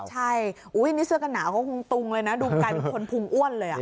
ใช่นี่เสื้อกันหนาวก็คงตุงเลยนะดูกลายเป็นคนพุงอ้วนเลย